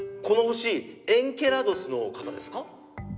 この星エンケラドスの方ですか？